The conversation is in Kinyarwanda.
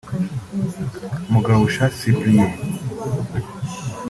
Mugabusha Cyprien